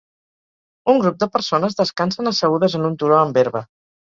Un grup de persones descansen assegudes en un turó amb herba.